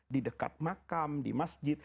di dekat makam di masjid